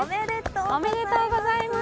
おめでとうございます。